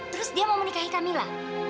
terus dia mau menikahi camilla